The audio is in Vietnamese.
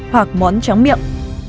hoặc món trắng miệng